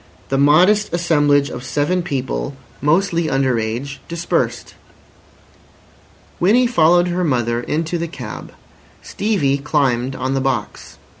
The modest assemblage of seven people, mostly under age, dispersed. Winnie followed her mother into the cab. Stevie climbed on the box.